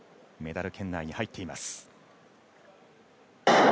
メダル圏内に入っています。